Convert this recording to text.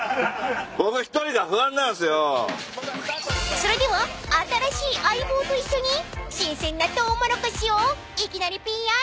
［それでは新しい相棒と一緒に新鮮なトウモロコシを］